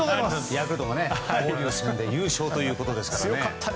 ヤクルトが交流戦で優勝ということですから。